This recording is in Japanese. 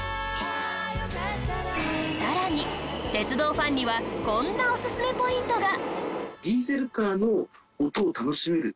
更に鉄道ファンにはこんなオススメポイントが。